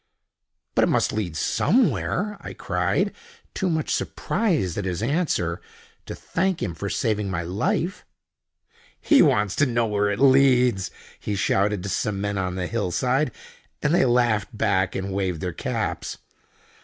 "But it must lead somewhere!" I cried, too much surprised at his answer to thank him for saving my life. "He wants to know where it leads!" he shouted to some men on the hill side, and they laughed back, and waved their caps.